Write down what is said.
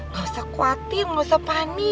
gak usah khawatir gak usah menganggap